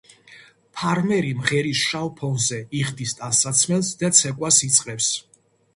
ფარმერი მღერის შავ ფონზე, იხდის ტანსაცმელს და ცეკვას იწყებს.